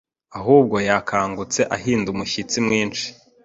Ahubwo yakangutse ahinda umushyitsi mwinshi